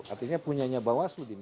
artinya punyanya bawaslu